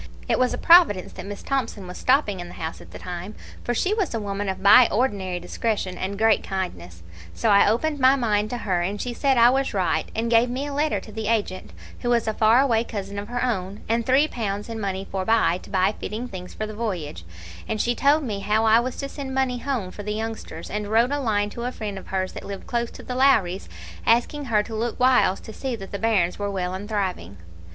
It was a providence that Miss Thomson was stopping in the house at the time, for she was a woman of by ordinary discretion and great kindness; so I opened my mind to her, and she said I was right, and gave me a letter to the agent, who was a far away cousin of her own, and three pounds in money forbye, to buy fitting things for the voyage; and she told me how I was to send money home for the youngsters, and wrote a line to a friend of hers that lived close to the Lowries, asking her to look whiles to see that the bairns were well and thriving.